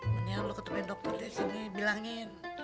mendingan lu ketemuin dokter disini bilangin